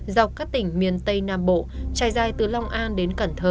dọc các tỉnh miền tây nam bộ trải dài từ long an đến cẩn thơ